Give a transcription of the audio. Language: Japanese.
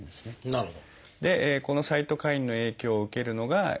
なるほど。